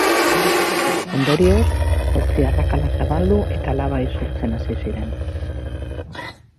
Ondorioz, zortzi arrakala zabaldu eta laba isurtzen hasi ziren.